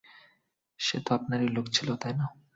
সে তো আপনারই লোক ছিল, তাই না?